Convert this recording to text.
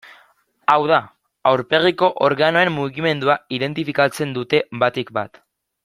Hau da, aurpegiko organoen mugimendua identifikatzen dute batik bat.